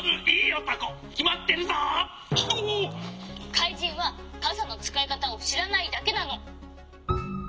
「かいじんはかさのつかいかたをしらないだけなの」。